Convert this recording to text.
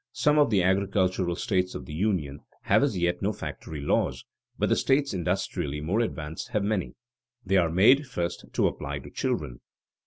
Some of the agricultural states of the Union have as yet no factory laws, but the states industrially more advanced have many. They are made, first, to apply to children.